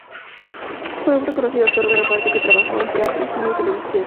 Fue un reconocido actor de reparto que trabajó en teatro, cine y televisión.